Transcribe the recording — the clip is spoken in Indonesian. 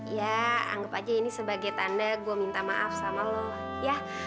ya anggap aja ini sebagai tanda gue minta maaf sama lo ya